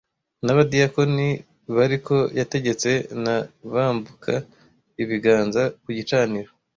N'abadiyakoni bariko yategetse na bambuka ibiganza ku gicaniro,